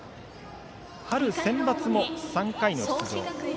春センバツも３回の出場。